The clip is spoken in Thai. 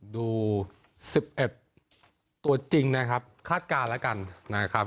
ดู๑๑ตัวจริงนะครับคาดการณ์แล้วกันนะครับ